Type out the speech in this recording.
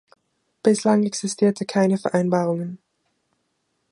Bislang existierte keine Vereinbarungen.